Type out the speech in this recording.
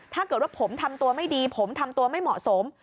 ถ้าเกิดว่าผมทำตัวไม่ดีผมทำตัวไม่เหมาะสม